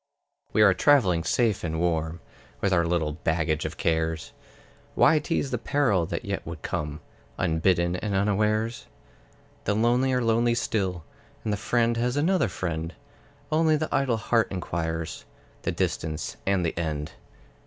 We are travelling safe and warm, With our little baggage of cares; Why tease the peril that yet would come Unbidden and unawares? The lonely are lonely still; And the friend has another friend; Only the idle heart inquires The distance and the end.